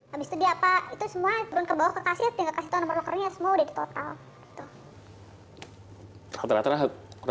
habis itu dia apa itu semua turun ke bawah ke kasir tinggal kasih tahu nomor lokernya semua udah di total